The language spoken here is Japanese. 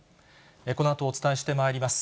このあとお伝えしてまいります。